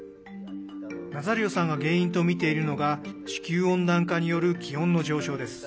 ナザリオさんが原因とみているのが地球温暖化による気温の上昇です。